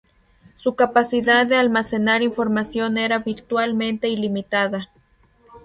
Su capacidad de almacenar información era virtualmente ilimitada.